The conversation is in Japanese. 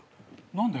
何で？